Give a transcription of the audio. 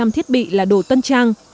năm mươi thiết bị là đồ tân trang